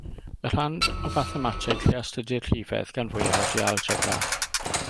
Y rhan o fathemateg lle astudir rhifedd gan fwyaf ydy algebra.